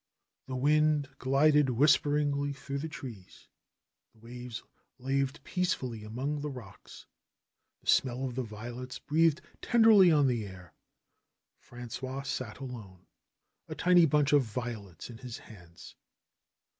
The wind glided whisperingly through the trees; the waves laved peacefully among the rocks; the smell of the violets breathed tenderly on the air. Frangois sat alone, a tiny bunch of violets in his hands.